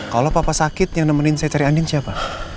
kalau papa sakit yang nemenin saya cari andin siapa